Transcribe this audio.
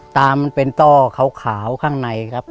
ตามันเป็นต้อขาวข้างในครับ